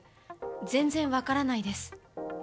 全然分からないです。